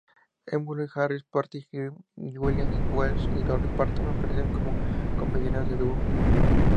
Emmylou Harris, Patty Griffin, Gillian Welch y Dolly Parton aparecen como compañeras de dúo.